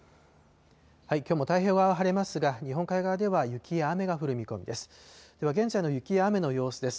きょうも太平洋側は晴れますが、日本海側では雪や雨が降る見込みです。